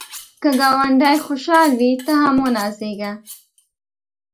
که ګاونډی خوشحال وي، ته هم ونازېږه